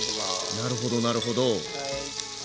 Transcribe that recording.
なるほどなるほど。